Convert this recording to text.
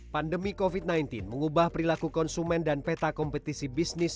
pandemi covid sembilan belas mengubah perilaku konsumen dan peta kompetisi bisnis